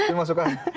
ini masuk kan